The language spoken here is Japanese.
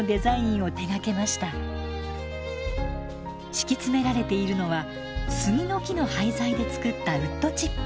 敷き詰められているのは杉の木の廃材で作ったウッドチップ。